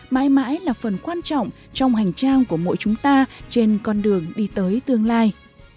mãi mãi là phần quan trọng trong hành trang của mỗi chúng ta trên con đường đi tới tương lai